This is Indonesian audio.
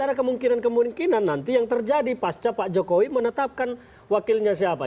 ada kemungkinan kemungkinan nanti yang terjadi pasca pak jokowi menetapkan wakilnya siapa